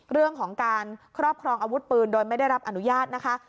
เรื่องของการครอบครองอาวุธปืนโดยไม่ได้รับอนุญาตนะคะ